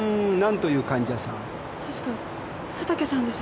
確か佐竹さんです。